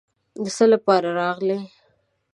د څه لپاره راغلې.